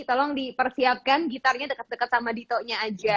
tolong dipersiapkan gitarnya dekat dekat sama dito nya aja